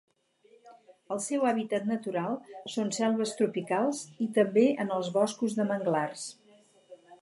El seu hàbitat natural són selves tropicals i també en els boscos de manglars.